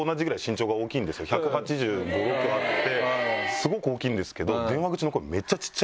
スゴく大きいんですけど。